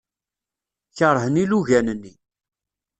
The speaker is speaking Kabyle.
Keṛhen ilugan-nni.